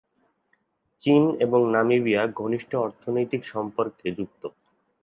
চীন এবং নামিবিয়া ঘনিষ্ঠ অর্থনৈতিক সম্পর্কে যুক্ত।